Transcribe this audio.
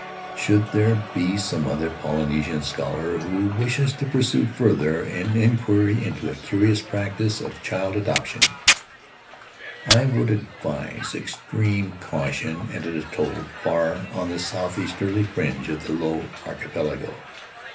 Should there be some other Polynesian scholar who wishes to pursue farther an inquiry into a curious practice of child adoption I would advise extreme caution at an atoll far on the southeasterly fringe of the Low Archipelago.